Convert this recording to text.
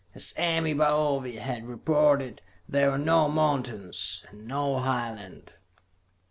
As Ame Baove had reported, there were no mountains, and no high land.